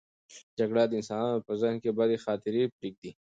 جګړه د انسانانو په ذهن کې بدې خاطرې پرېږدي.